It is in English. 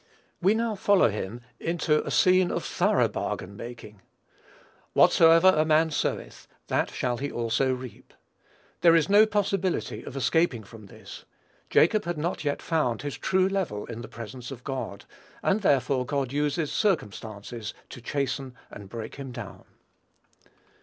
We now follow him into a scene of thorough bargain making. "Whatsoever a man soweth, that shall he also reap." There is no possibility of escaping from this. Jacob had not yet found his true level in the presence of God; and therefore God uses circumstances to chasten and break him down.